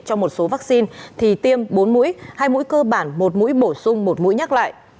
cho một số vaccine thì tiêm bốn mũi hai mũi cơ bản một mũi bổ sung một mũi nhắc lại